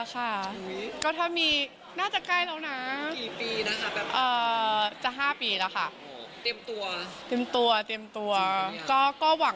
พอบ้างกันหนึ่งจ้า